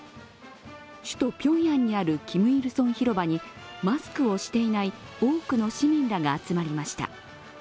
首都・ピョンヤンにある金日成広場にマスクをしていない多くの市民らが集まりました。